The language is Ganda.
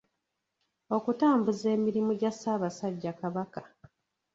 Okutambuza emirimu gya Ssaabasajja Kabaka .